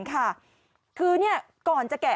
เจอเขาแล้ว